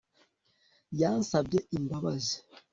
Yansabye imbabazi